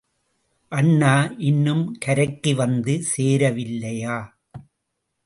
அண்ணா, இன்னும் கரைக்கு வந்து சேரவில்லையா?